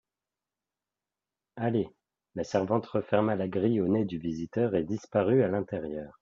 Allez ! La servante referma la grille au nez du visiteur et disparut à l'intérieur.